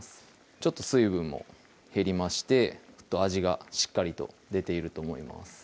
ちょっと水分も減りまして味がしっかりと出ていると思います